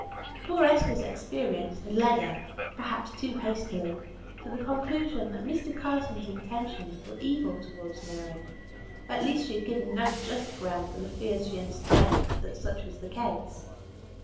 Poor Esther's experience had led her, perhaps, too hastily to the conclusion, that Mr. Carson's intentions were evil towards Mary; at least she had given no just ground for the fears she entertained that such was the case.